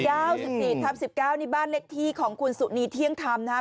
เก้าหมดสิบสี่ทับสิบเก้านี่บ้านเลขที่ของคุณสุนีเที่ยงทำนะคะ